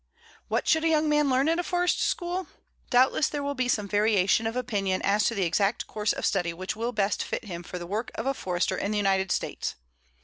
What should a young man learn at a forest school? Doubtless there will be some variation of opinion as to the exact course of study which will best fit him for the work of a Forester in the United States.